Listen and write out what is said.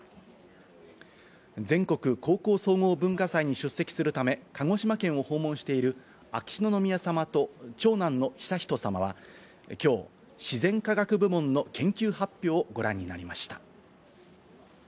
全国高校総合文化祭に出席するため、鹿児島県を訪問している秋篠宮さまと長男の悠仁さまはきょう自然科学部門の研究発表をご覧になりました。